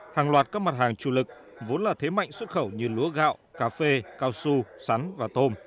hàng loạt các mặt hàng chủ lực vốn là thế mạnh xuất khẩu như lúa gạo cà phê cao su sắn và tôm